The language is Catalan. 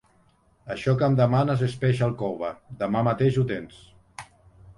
Això que em demanes és peix al cove. Demà mateix ho tens.